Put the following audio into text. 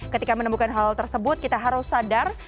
ketika menemukan hal tersebut kita harus sadar